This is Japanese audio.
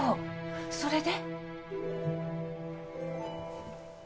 それで？